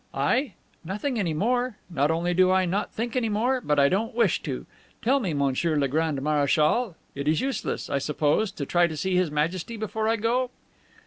"I? Nothing any more. Not only do I not think any more, but I don't wish to. Tell me, Monsieur le Grand Marechal, it is useless, I suppose, to try to see His Majesty before I go?"